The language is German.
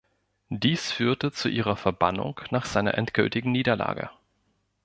Dies führte zu ihrer Verbannung nach seiner endgültigen Niederlage.